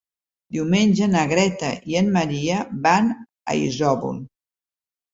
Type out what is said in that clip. Diumenge na Greta i en Maria van a Isòvol.